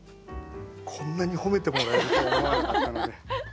こんなに褒めてもらえるとは思わなかったので。